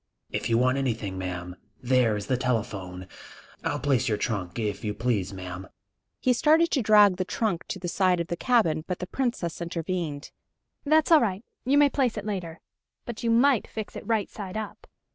"If you want anything, ma'am there is the telephone.... I'll place your trunk, if you please, ma'am!" He started to drag the trunk to the side of the cabin, but the Princess intervened. "That's all right; you may place it later. But you might fix it right side up!"